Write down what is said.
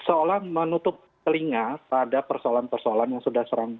seolah menutup telinga pada persoalan persoalan yang sudah sering